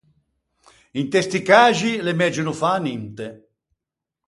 Inte sti caxi, l’é megio no fâ ninte.